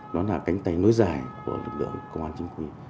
nó là cánh tay nối dài của lực lượng công an chính quy